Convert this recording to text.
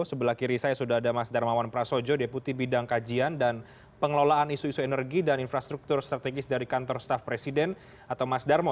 sebelah kiri saya sudah ada mas darmawan prasojo deputi bidang kajian dan pengelolaan isu isu energi dan infrastruktur strategis dari kantor staff presiden atau mas darmo